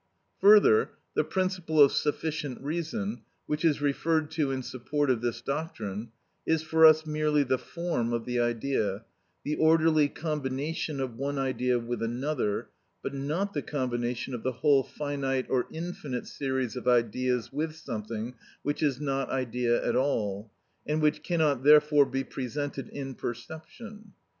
Further, the principle of sufficient reason, which is referred to in support of this doctrine, is for us merely the form of the idea, the orderly combination of one idea with another, but not the combination of the whole finite or infinite series of ideas with something which is not idea at all, and which cannot therefore be presented in perception.